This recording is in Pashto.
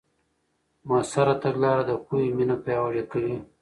مؤثره تګلاره د پوهې مینه پیاوړې کوي.